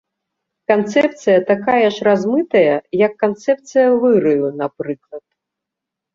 Канцэпцыя такая ж размытая, як канцэпцыя выраю, напрыклад.